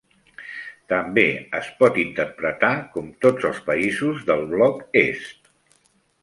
També es pot interpretar com tots els països del bloc est.